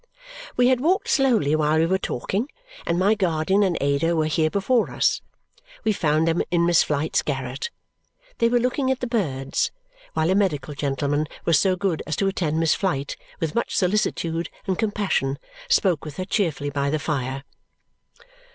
We had walked slowly while we were talking, and my guardian and Ada were here before us. We found them in Miss Flite's garret. They were looking at the birds, while a medical gentleman who was so good as to attend Miss Flite with much solicitude and compassion spoke with her cheerfully by the fire.